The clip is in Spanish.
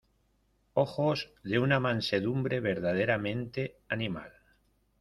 ojos de una mansedumbre verdaderamente animal.